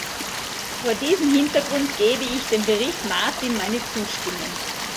Vor diesem Hintergrund gebe ich dem Bericht Martin meine Zustimmung.